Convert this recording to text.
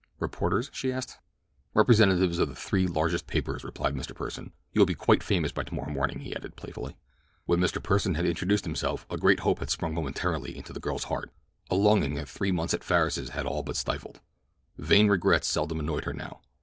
"Reporters?" she asked. "Representatives of the three largest papers," replied Mr. Pursen. "You will be quite famous by tomorrow morning," he added playfully. When Mr. Pursen had introduced himself a great hope had sprung momentarily into the girl's heart—a longing that three months at Farris's had all but stifled. Vain regrets seldom annoyed her now.